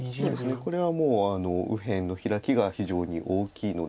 これはもう右辺のヒラキが非常に大きいので。